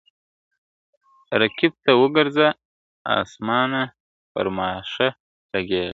رقیب ته وګرځه اسمانه پر ما ښه لګیږي !.